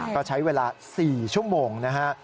ก็ใช้เวลา๔ชั่วโมงนะฮะ